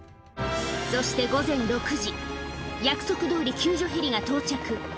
そして午前６時、約束どおり救助ヘリが到着。